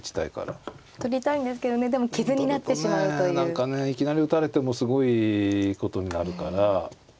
何かねいきなり打たれてもすごいことになるから。